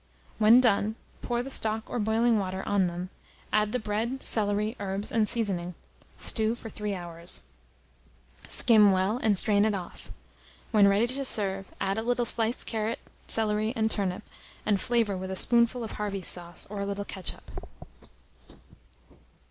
When done, pour the stock or boiling water on them; add the bread, celery, herbs, and seasoning; stew for 3 hours; skim well and strain it off. When ready to serve, add a little sliced carrot, celery, and turnip, and flavour with a spoonful of Harvey's sauce, or a little ketchup.